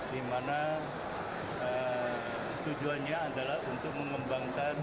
di mana tujuannya adalah untuk mengembangkan